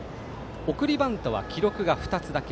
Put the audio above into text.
送りバントは記録が２つだけ。